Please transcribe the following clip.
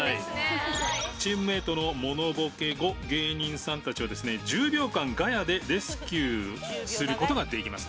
チームメートのモノボケ後芸人さんたちはですね１０秒間ガヤでレスキューする事ができますと。